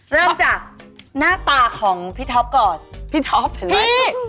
เริ่มจากหน้าตาของพี่ท็อปก่อนพี่ท็อปเห็นไหม